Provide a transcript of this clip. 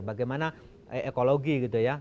bagaimana ekologi gitu ya